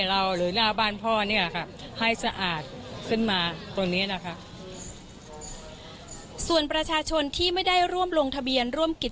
แรงใจคนละหน่อย